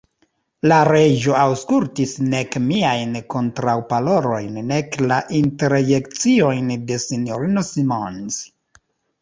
La Reĝo aŭskultis nek miajn kontraŭparolojn, nek la interjekciojn de S-ino Simons.